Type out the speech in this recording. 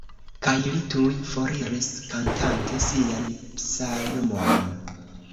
Kaj li tuj foriris, kantante sian psalmon.